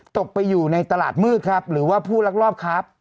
ตกไปอยู่ในตลาดมืดครับหรือว่าผู้ลักลอบครับ